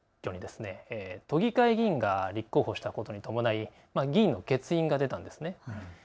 今回の統一地方選挙の区長選挙に都議会議員が立候補したことに伴い議員の欠員が出たんですね。